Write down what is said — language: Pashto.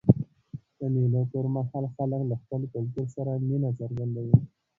د مېلو پر مهال خلک له خپل کلتور سره مینه څرګندوي.